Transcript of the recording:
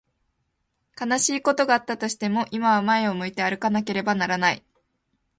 悲しいことがあったとしても、今は前を向いて歩かなければならない。